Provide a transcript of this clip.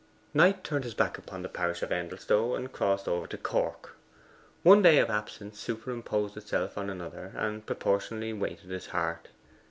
Knight turned his back upon the parish of Endelstow, and crossed over to Cork. One day of absence superimposed itself on another, and proportionately weighted his heart.